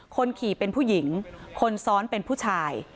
คนขี่เป็นผู้หญิงคนซ้อนเป็นผู้ชาย